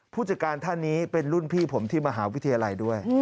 ผู้จัดการท่านนี้เป็นรุ่นพี่ผมที่มหาวิทยาลัยด้วย